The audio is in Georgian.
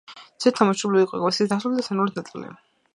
ძირითადად დამუშავებული იყო კავკასიის დასავლეთი და ცენტრალური ნაწილი.